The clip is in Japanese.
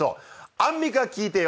アンミカ聞いてよ！